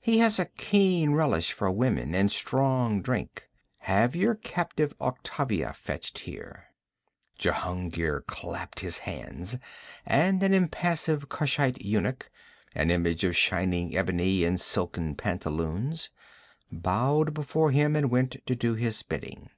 He has a keen relish for women and strong drink. Have your captive Octavia fetched here.' Jehungir clapped his hands, and an impassive Kushite eunuch, an image of shining ebony in silken pantaloons, bowed before him and went to do his bidding.